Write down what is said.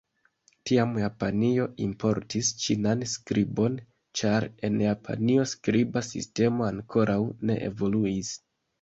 Tiam Japanio importis Ĉinan skribon, ĉar en Japanio skriba sistemo ankoraŭ ne evoluis.